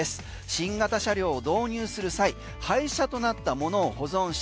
新型車両を導入する際廃車となったものを保存し